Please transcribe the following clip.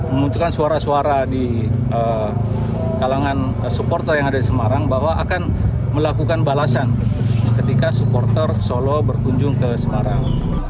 memunculkan suara suara di kalangan supporter yang ada di semarang bahwa akan melakukan balasan ketika supporter solo berkunjung ke semarang